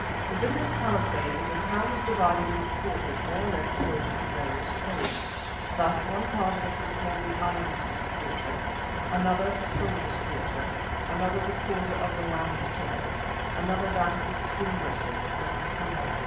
Within this palisade the town was divided into quarters more or less devoted to various trades. Thus one part of it was called the Ironsmiths' Quarter; another the Soldiers' Quarter; another the Quarter of the Land tillers; another that of the Skin dressers, and so on.